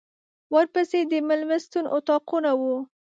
ورپسې د مېلمستون اطاقونه وو.